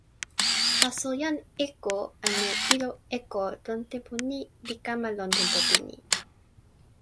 taso jan Eko anu ilo Eko lon tenpo ni li kama lon tenpo pini.